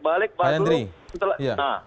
balik balik dulu